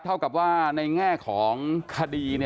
เท่ากับว่าในแง่ของคดี